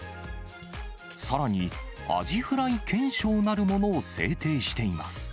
さらにアジフライ憲章なるものを制定しています。